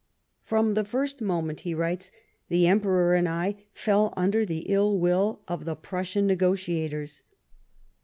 " From the first moment," he writes, " the Emperor and I fell under the ill will of the Prussian negotiators.